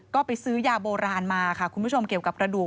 ก็ไปซื้อยาโบราณมาค่ะคุณผู้ชมเกี่ยวกับกระดูก